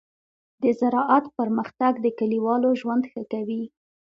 د زراعت پرمختګ د کليوالو ژوند ښه کوي.